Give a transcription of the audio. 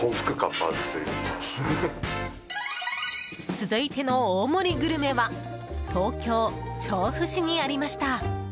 続いての大盛りグルメは東京・調布市にありました。